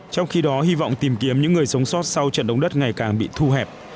trong khi đó hy vọng tìm kiếm những người sống sót sau trận động đất ngày càng bị thu hẹp